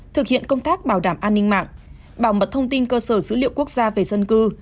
thực hiện công tác bảo đảm an ninh mạng bảo mật thông tin cơ sở dữ liệu quốc gia về dân cư